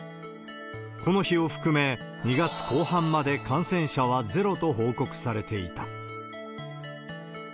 この日を含め、２月後半まで感染者はゼロと報告されていた。